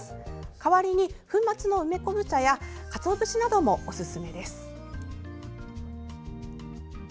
代わりに粉末の梅昆布茶やかつお節などもおすすめです。